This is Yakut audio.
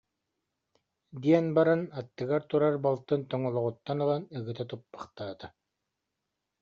диэн баран, аттыгар турар балтын тоҥолоҕуттан ылан, ыгыта туппахтаата